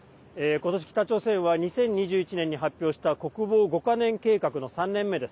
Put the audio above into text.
今年、北朝鮮は２０２１年に発表した国防５か年計画の３年目です。